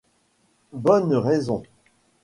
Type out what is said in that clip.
Bonne raison !